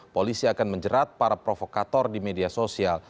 polisi akan menjerat para provokator di media sosial